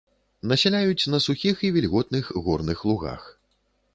Насяляюць на сухіх і вільготных горных лугах.